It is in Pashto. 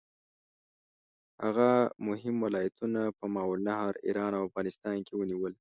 هغه مهم ولایتونه په ماوراالنهر، ایران او افغانستان کې ونیول.